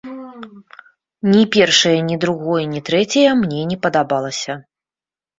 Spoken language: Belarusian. Ні першае, ні другое, ні трэцяе мне не падабалася.